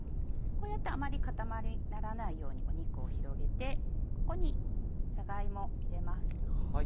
こうやってあまり固まりにならないように肉を広げてここにじゃが芋入れます。